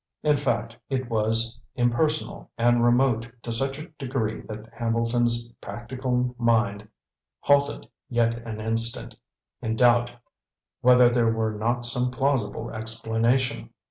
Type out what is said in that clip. In fact, it was impersonal and remote to such a degree that Hambleton's practical mind, halted yet an instant, in doubt whether there were not some plausible explanation.